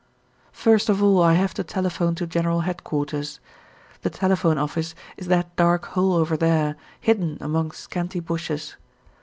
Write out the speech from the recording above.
First of all I have to telephone to General Headquarters. The telephone office is that dark hole over there, hidden among scanty bushes.